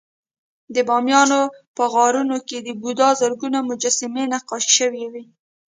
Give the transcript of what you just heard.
د بامیانو په غارونو کې د بودا زرګونه مجسمې نقاشي شوې وې